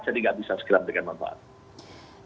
jadi nggak bisa segera berikan manfaat